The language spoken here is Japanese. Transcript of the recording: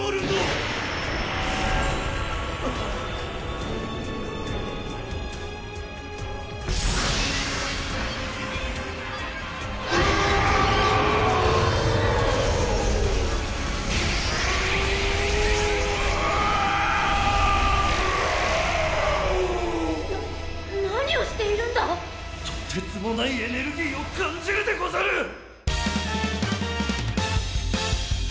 とてつもないエネルギーを感じるでござる！